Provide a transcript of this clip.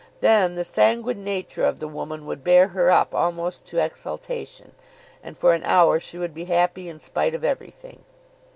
Then the sanguine nature of the woman would bear her up almost to exultation, and for an hour she would be happy, in spite of everything.